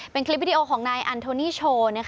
เป็นคลิปวิดีโอของนายอันโทนี่โชว์